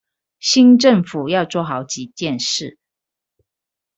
新政府要做好幾件事